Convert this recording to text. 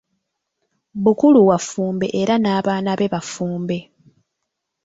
Bukulu wa Ffumbe era n'abaana be ba ffumbe.